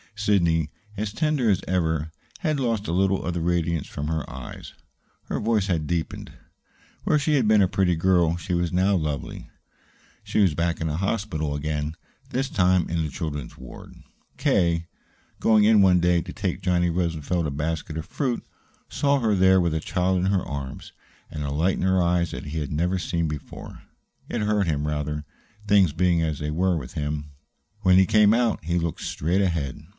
Sidney, as tender as ever, had lost a little of the radiance from her eyes; her voice had deepened. Where she had been a pretty girl, she was now lovely. She was back in the hospital again, this time in the children's ward. K., going in one day to take Johnny Rosenfeld a basket of fruit, saw her there with a child in her arms, and a light in her eyes that he had never seen before. It hurt him, rather things being as they were with him. When he came out he looked straight ahead.